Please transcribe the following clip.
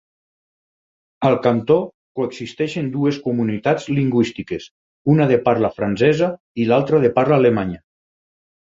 Al cantó coexisteixen dues comunitats lingüístiques, una de parla francesa i l'altra de parla alemanya.